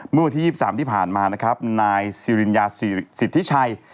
เมื่อวันที่๒๓ที่ผ่านนายซิลิยาศิริชัย